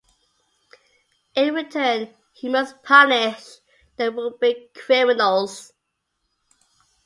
In return, he must punish the would-be criminals.